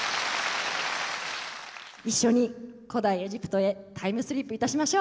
一緒に古代エジプトへタイムスリップいたしましょう。